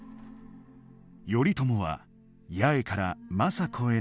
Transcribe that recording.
頼朝は八重から政子へ